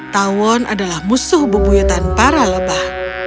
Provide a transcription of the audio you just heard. tawon adalah musuh bebuyutan para lebah